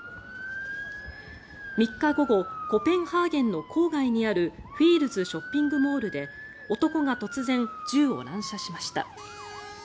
３日午後コペンハーゲンの郊外にあるフィールズショッピングモールで男が突然、銃を乱射しました。